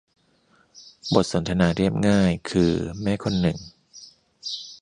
บทสนทนาเรียบง่ายคือแม่คนหนึ่ง